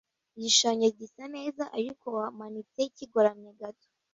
Igishushanyo gisa neza, ariko wamanitse kigoramye gato.